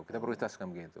kita perwitaskan begitu